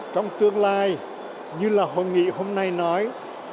trong tương lai như là hội nghị hôm nay nói